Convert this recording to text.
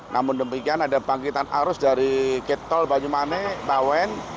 namun demikian ada bangkitan arus dari ketol banyumanik tawen